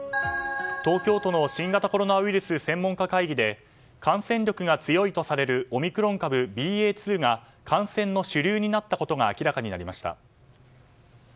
東京都の新型コロナウイルス専門家会議で感染力が強いとされるオミクロン株ＢＡ．２が感染の主流になったことが明らかになりました。